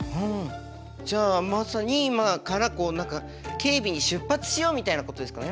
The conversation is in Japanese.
じゃあまさに今からこう何か警備に出発しようみたいなことですかね？